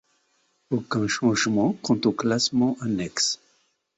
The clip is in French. Aucun changement quant aux classements annexes.